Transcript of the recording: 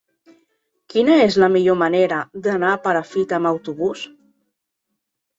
Quina és la millor manera d'anar a Perafita amb autobús?